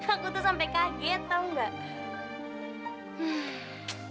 aku tuh sampai kaget tau mbak